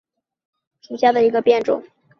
光轴苎叶蒟为胡椒科胡椒属下的一个变种。